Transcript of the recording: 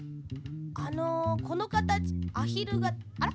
あのこのかたちアヒルがあら？